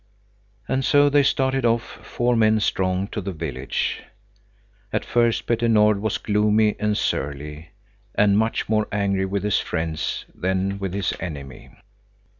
And so they started off, four men strong, to the village. At first Petter Nord was gloomy and surly, and much more angry with his friends than with his enemy.